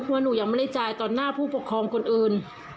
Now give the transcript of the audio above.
เพราะหนูยังไม่ได้จ่ายต่อหน้าผู้ปกครองคนอื่น